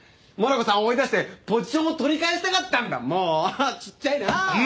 モナコさん追い出してポジションを取り返したかったんだ。もちっちゃいなぁ！